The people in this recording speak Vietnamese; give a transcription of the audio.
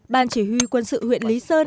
ban chỉ huy quân sự huyện lý sơn